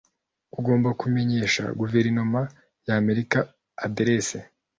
Ugomba kumenyesha guverinoma y’Amerika aderese.